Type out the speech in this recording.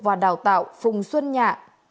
và đào tạo phùng xuân nhạ